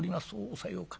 「さようか。